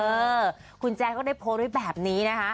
เออคุณแจ๊ก็ได้โพสต์ไว้แบบนี้นะคะ